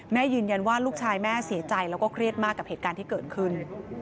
ยืนยันว่าลูกชายแม่เสียใจแล้วก็เครียดมากกับเหตุการณ์ที่เกิดขึ้น